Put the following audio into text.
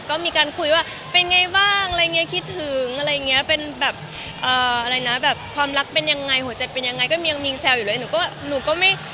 ก็มีการคุยว่าเป็นไงบ้างอะไรอย่างนี้คิดถึงอะไรอย่างเงี้ยเป็นแบบอะไรนะแบบความรักเป็นยังไงหัวใจเป็นยังไงก็ยังมีแซวอยู่เลยหนูก็หนูก็ไม่